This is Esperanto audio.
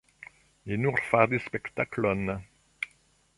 Ni nur faris spektaklon".